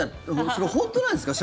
それ、本当なんですか？